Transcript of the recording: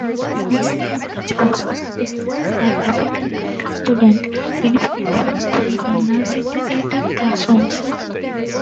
This research also suggested that African American students benefited from schooling in nonsegregated classrooms.